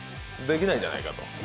できないんじゃないかと。